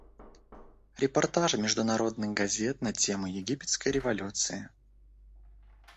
Репортажи международных газет на тему египетской революции.